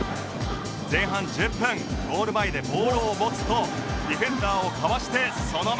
前半１０分ゴール前でボールを持つとディフェンダーをかわしてそのままシュート